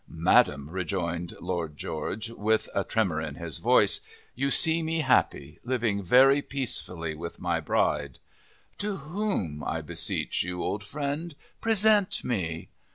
"Madam," rejoined Lord George, with a tremor in his voice, "you see me happy, living very peacefully with my bride " "To whom, I beseech you, old friend, present me."